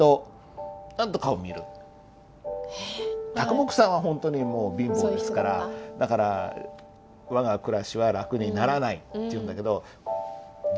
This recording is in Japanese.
木さんはほんとにもう貧乏ですからだから「わが生活は楽にならない」っていうんだけど。